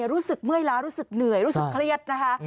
รู้สึกเมื่อยล้ารู้สึกเหนื่อยรู้สึกเครียดนะคะ